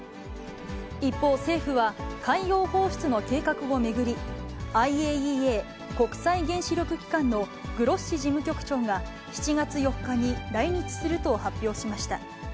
一方、政府は海洋放出の計画を巡り、ＩＡＥＡ・国際原子力機関のグロッシ事務局長が７月４日に来日すると発表しました。